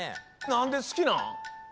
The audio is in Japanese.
なんですきなん？